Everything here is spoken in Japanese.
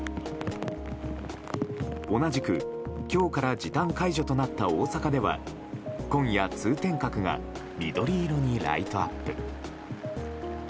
同じく、今日から時短解除となった大阪では今夜、通天閣が緑色にライトアップ。